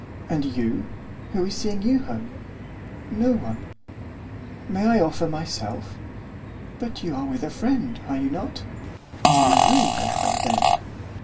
"And you, who is seeing you home?" "No one." "May I offer myself?" "But you are with a friend, are you not?" "May we offer, then?"